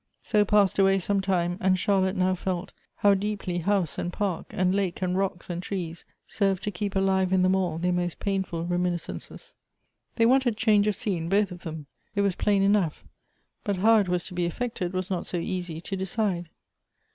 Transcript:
So passed away some time, and Charlotte now felt how 13 290 Goethe's deeply house and park, and lake and rocks and trees, sei ved to keep alive in them all their most painful remi niscences. They wanted change of scene, both of them, it was plain enough ; but how it was to be effected was not so easy to decide.